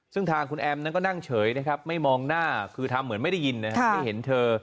ซึ่งทางคุณแอมนั้นก็นั่งเฉยนะครับไม่มองหน้าคือทำเหมือนไม่ได้ยินนะครับไม่เห็นเธอ